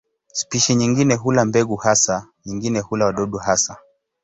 Spishi nyingine hula mbegu hasa, nyingine hula wadudu hasa.